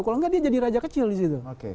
kalau enggak dia jadi raja kecil di situ